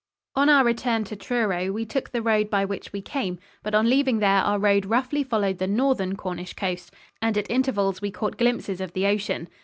On our return to Truro we took the road by which we came, but on leaving there our road roughly followed the Northern Cornish coast, and at intervals we caught glimpses of the ocean.